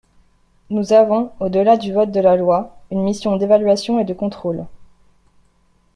Nous avons, au-delà du vote de la loi, une mission d’évaluation et de contrôle.